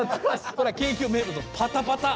これは京急名物のパタパタ！